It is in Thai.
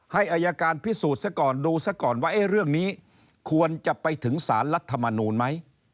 อายการพิสูจน์ซะก่อนดูซะก่อนว่าเรื่องนี้ควรจะไปถึงสารรัฐมนูลไหม